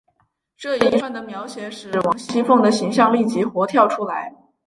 这一串的描写使王熙凤的形象立即活跳出来。